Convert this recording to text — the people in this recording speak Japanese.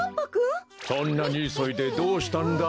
そんなにいそいでどうしたんだい？